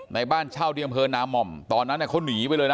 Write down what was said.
ในบ้านเช่าเดียมเฮินนามหม่อมตอนนั้นเขาหนีไปเลยนะ